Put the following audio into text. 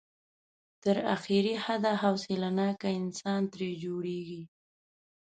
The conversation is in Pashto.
تر اخري حده حوصله ناک انسان ترې جوړېږي.